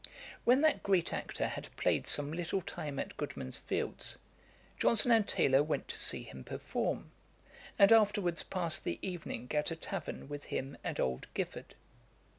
When that great actor had played some little time at Goodman's fields, Johnson and Taylor went to see him perform, and afterwards passed the evening at a tavern with him and old Giffard.